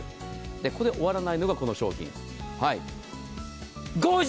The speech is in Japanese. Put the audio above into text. ここで終わらないのがこの商品。